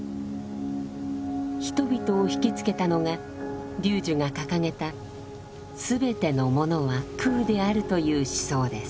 人々を惹きつけたのが龍樹が掲げた「すべてのものは空である」という思想です。